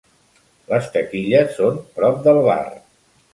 Les taquilles són prop del bar.